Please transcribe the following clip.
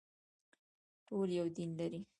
ټول یو دین لري